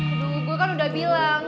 aduh gue kan udah bilang